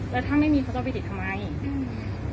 และถ้าไม่มีเค้าจะไปติดทำไมอืม